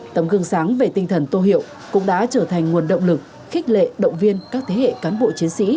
tấm gương sáng về tinh thần tô hiệu cũng đã trở thành nguồn động lực khích lệ động viên các thế hệ cán bộ chiến sĩ